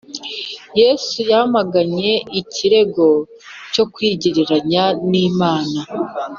Yesu yamaganye ikirego cyo kwigereranya n’Imana.